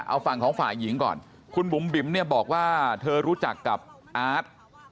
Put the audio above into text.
เอาฝั่งของฝ่ายหญิงก่อนคุณบุ๋มบิ๋มเนี่ยบอกว่าเธอรู้จักกับอาร์ต